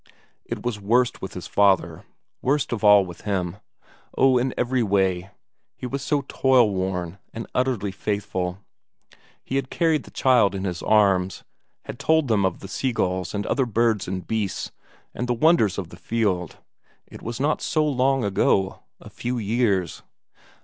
It was worst with his father; worst of all with him. Oh, in every way; he was so toil worn and so utterly faithful; he had carried the children in his arms, had told them of the seagulls and other birds and beasts, and the wonders of the field; it was not so long ago, a few years....